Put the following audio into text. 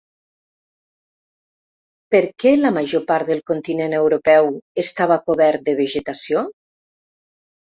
Per què la major part del continent europeu estava cobert de vegetació?